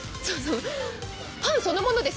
パンそのものです。